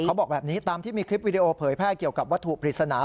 เขาบอกแบบนี้ตามที่มีคลิปวิดีโอเผยแพร่เกี่ยวกับวัตถุปริศนา